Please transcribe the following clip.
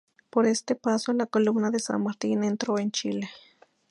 Por este paso la columna de San Martín entró en Chile.